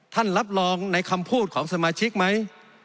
รับรองในคำพูดของสมาชิกไหม